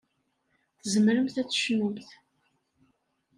Tzemremt ad tecnumt.